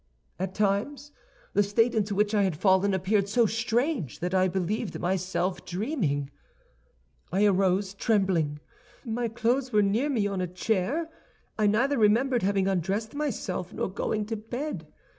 "At times the state into which I had fallen appeared so strange that I believed myself dreaming. I arose trembling. My clothes were near me on a chair; I neither remembered having undressed myself nor going to bed.